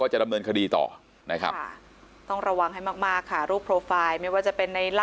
จะดำเนินคดีต่อนะครับต้องระวังให้มากค่ะรูปโปรไฟล์ไม่ว่าจะเป็นใน